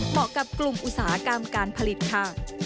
กับกลุ่มอุตสาหกรรมการผลิตค่ะ